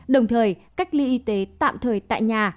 đồng thời cách ly y tế tạm thời tại nhà